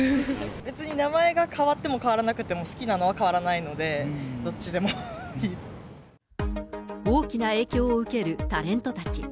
別に名前が変わっても変わらなくても好きなのは変わらないの大きな影響を受けるタレントたち。